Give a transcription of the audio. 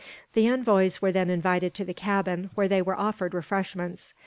The envoys were then invited to the cabin, where they were offered refreshments.